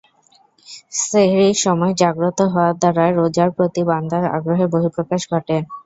সেহ্রির সময় জাগ্রত হওয়ার দ্বারা রোজার প্রতি বান্দার আগ্রহের বহিঃপ্রকাশ ঘটে।